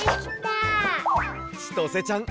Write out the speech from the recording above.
ちとせちゃん